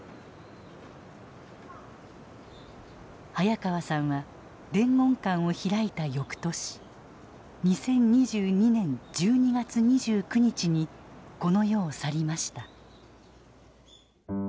早川さんは伝言館を開いた翌年２０２２年１２月２９日にこの世を去りました。